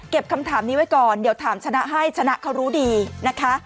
คำถามนี้ไว้ก่อนเดี๋ยวถามชนะให้ชนะเขารู้ดีนะคะ